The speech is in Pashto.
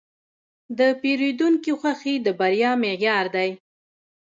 د پیرودونکي خوښي د بریا معیار دی.